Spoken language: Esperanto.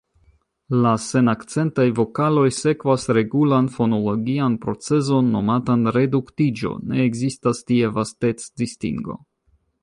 La senakcentaj vokaloj sekvas regulan fonologian procezon nomatan reduktiĝo: ne ekzistas tie vastec-distingo.